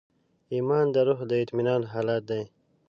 ایمان د روح د اطمینان حالت دی.